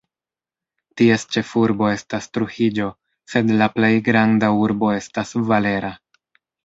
Ties ĉefurbo estas Trujillo sed la plej granda urbo estas Valera.